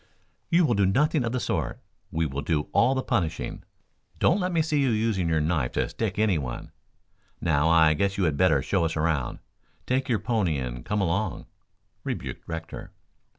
"You will do nothing of the sort. We will do all the punishing. Don't let me see you using your knife to stick anyone. Now, I guess you had better show us around. Take your pony and come along," rebuked Rector.